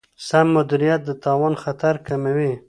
سم مدیریت د تاوان خطر کموي.